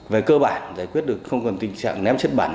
về cơ bản giải quyết được không còn tình trạng ném chất bẩn